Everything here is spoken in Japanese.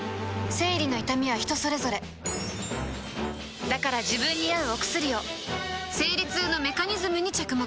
生理の痛みは人それぞれだから自分に合うお薬を生理痛のメカニズムに着目